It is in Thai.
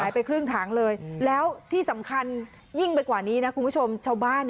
ไปครึ่งถังเลยแล้วที่สำคัญยิ่งไปกว่านี้นะคุณผู้ชมชาวบ้าน